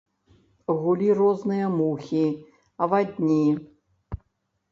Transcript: Гулі розныя мухі, авадні.